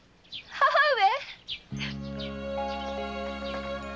母上！